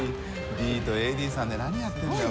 ＤとＡＤさんで何やってるんだよ